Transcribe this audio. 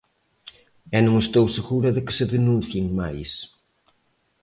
E non estou segura de que se denuncien máis.